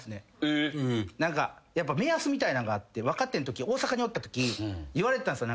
何かやっぱ目安みたいなんがあって若手んとき大阪におったとき言われてたんですよ。